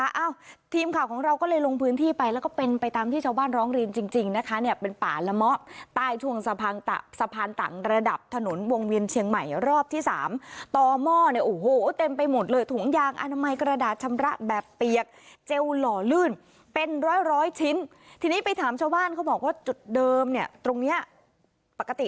เอ้าทีมข่าวของเราก็เลยลงพื้นที่ไปแล้วก็เป็นไปตามที่ชาวบ้านร้องเรียนจริงจริงนะคะเนี่ยเป็นป่าละเมาะใต้ช่วงสะพานต่างระดับถนนวงเวียนเชียงใหม่รอบที่สามต่อหม้อเนี่ยโอ้โหเต็มไปหมดเลยถุงยางอนามัยกระดาษชำระแบบเปียกเจลหล่อลื่นเป็นร้อยร้อยชิ้นทีนี้ไปถามชาวบ้านเขาบอกว่าจุดเดิมเนี่ยตรงเนี้ยปกติ